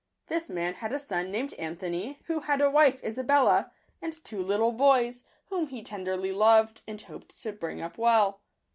This man had a son named Anthony, who had a wife, Isabella, and two little boys, whom he tenderly loved, and hoped to bring up well.